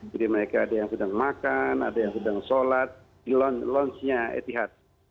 jadi mereka ada yang sedang makan ada yang sedang sholat di launch nya etihad